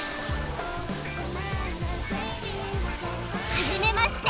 はじめまして！